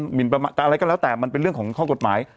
หมินประมาณอะไรก็แล้วแต่มันเป็นเรื่องของข้อกฎหมาย